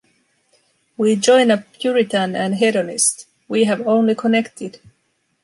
We join up Puritan and Hedonist: we have only connected.